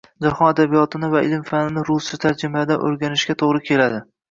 jahon adabiyotini va ilm-fanini ruscha tarjimalardan o‘rganishga to‘g‘ri keladi.